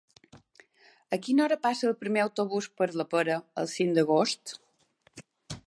A quina hora passa el primer autobús per la Pera el cinc d'agost?